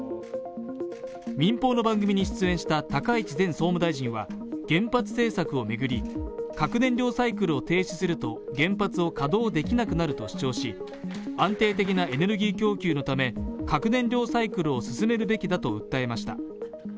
民放の番組に出演した高市前総務大臣は原発政策を巡り、核燃料サイクルを停止すると原発を稼働できなくなると主張し、安定的なエネルギー供給のため核燃料サイクルを進めるべきだと訴えました。